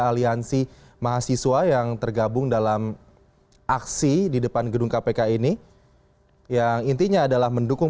aliansi mahasiswa yang tergabung dalam aksi di depan gedung kpk ini yang intinya adalah mendukung